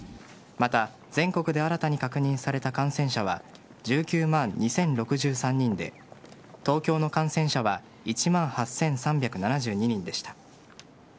また、全国で新たに確認された感染者は１９万２０６３人で東京の感染者は１万８３７２人でした。